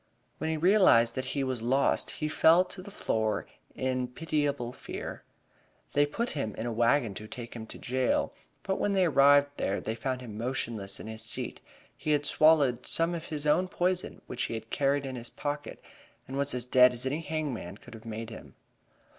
When he realized that he was lost he fell to the floor in pitiable fear. They put him in a wagon to take him to jail, but when they arrived there they found him motionless in his seat. He had swallowed some of his own poison which he carried in his pocket, and was as dead as any hangman could have made him.